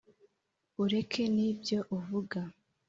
ureke n’ibyo uvuga